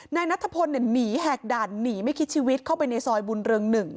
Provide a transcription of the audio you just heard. นายนัทพลหนีแหกด่านหนีไม่คิดชีวิตเข้าไปในซอยบุญเรือง๑